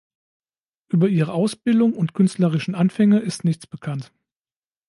Über ihre Ausbildung und künstlerischen Anfänge ist nichts bekannt.